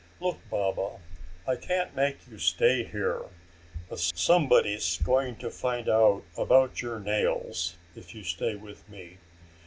"Look, Baba, I can't make you stay here. But somebody's going to find out about your nails if you stay with me.